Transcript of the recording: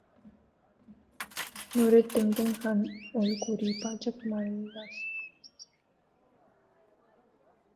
노르탱탱한 얼굴이 바짝 말라서